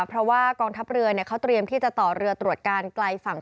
เพราะว่ากองทัพเรือเขาเตรียมที่จะต่อเรือตรวจการไกลฝั่ง